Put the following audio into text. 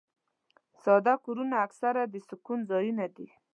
ساده کورونه اکثره د سکون ځایونه وي.